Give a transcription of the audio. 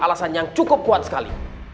alasan yang cukup kuat sekali